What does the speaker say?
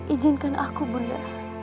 ijinkan aku bunda